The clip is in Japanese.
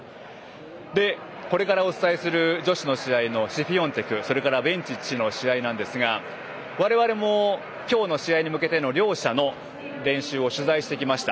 これからお伝えする女子の試合のシフィオンテクとベンチッチの試合ですが我々も今日の試合に向けての両者の練習を取材してきました。